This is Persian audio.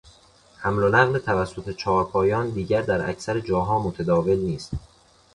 حمل و نقل توسط چهار پایان دیگر در اکثر جاها متداول نیست.